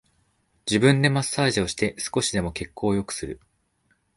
自分でマッサージをして少しでも血行を良くする